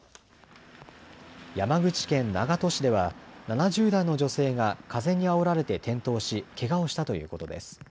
山口県長門市では、７０代の女性が風にあおられて転倒し、けがをしたということです。